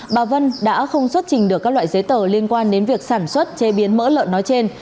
bà vân đã không xuất trình được các loại giấy tờ liên quan đến việc sản xuất chế biến mỡ lợn nói trên